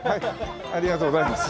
ありがとうございます。